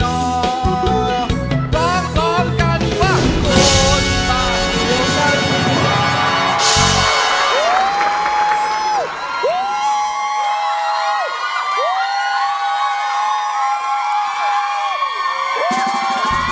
ร้องพร้อมกันว่าโฟนต่างหัวใจ